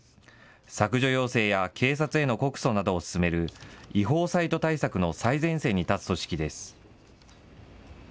削除要請や警察への告訴などを進める違法サイト対策の最前線に立つ組織です。